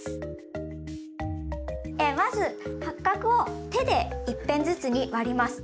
まず八角を手で一片ずつに割ります。